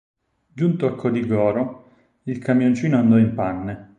Giunto a Codigoro il camioncino andò in panne.